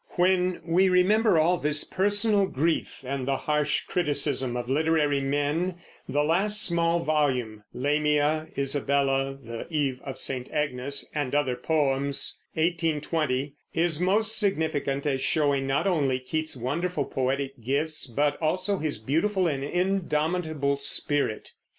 When we remember all this personal grief and the harsh criticism of literary men, the last small volume, Lamia, Isabella, The Eve of St. Agnes, and Other Poems (1820), is most significant, as showing not only Keats's wonderful poetic gifts, but also his beautiful and indomitable spirit.